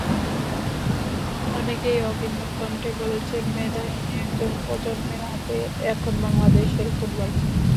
অনেকেই অভিন্ন কণ্ঠে বলছেন, মেধাহীন একটা প্রজন্মের হাতে এখন বাংলাদেশের ফুটবল।